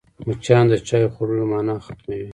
مچان د چايو خوړلو مانا ختموي